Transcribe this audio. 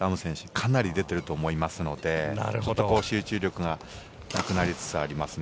かなり出てると思いますので集中力がなくなりつつありますね。